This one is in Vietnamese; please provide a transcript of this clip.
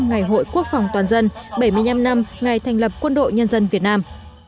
ngày hội quốc phòng toàn dân bảy mươi năm năm ngày thành lập quân đội nhân dân việt nam